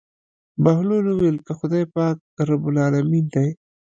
بهلول وويل که خداى پاک رب العلمين دى.